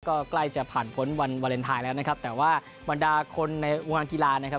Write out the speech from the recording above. ก็ใกล้จะผ่านพ้นวันวาเลนไทยแล้วนะครับแต่ว่าบรรดาคนในวงการกีฬานะครับ